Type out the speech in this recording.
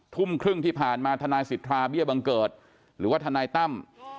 ทุ่มครึ่งที่ผ่านมาทนายสิทธาเบี้ยบังเกิดหรือว่าทนายตั้ม